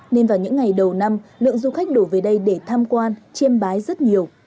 nên vào những ngày đầu năm lượng du khách đổ về đây để tham quan chiêm bái rất nhiều